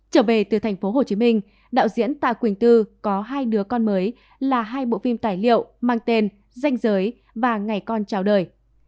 trở về từ tp hcm đạo diễn tạ quỳnh tư có hai đứa con mới là hai bộ phim tài liệu mang tên danh giới và ngày con chào đời